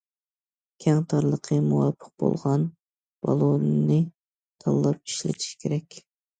كەڭ- تارلىقى مۇۋاپىق بولغان بالوننى تاللاپ ئىشلىتىش كېرەك.